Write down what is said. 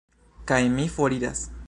Kaj mi foriras.